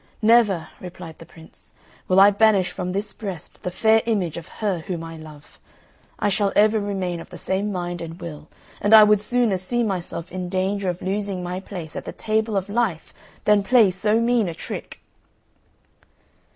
"Never," replied the Prince, "will I banish from this breast the fair image of her whom I love. I shall ever remain of the same mind and will; and I would sooner see myself in danger of losing my place at the table of life than play so mean a trick!"